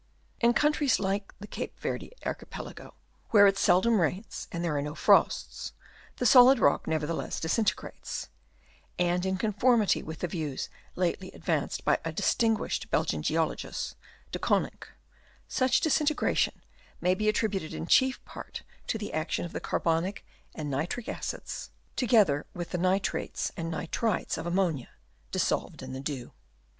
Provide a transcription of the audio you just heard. In countries, like the Cape Yerde Archipelago, where it seldom rains and there are no frosts, the solid rock never theless disintegrates ; and in conformity with the views lately advanced by a distinguished Belgian geologist, De Koninck, such disin tegration may be attributed in chief part to the action of the carbonic and nitric acids, together with the nitrates and nitrites of ammonia, dissolved in the dew.